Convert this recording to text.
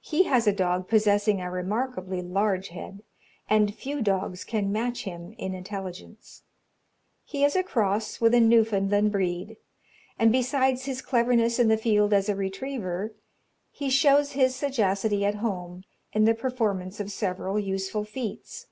He has a dog possessing a remarkably large head, and few dogs can match him in intelligence. He is a cross with the Newfoundland breed, and besides his cleverness in the field as a retriever, he shows his sagacity at home in the performance of several useful feats.